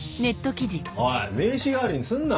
おい名刺代わりにすんな。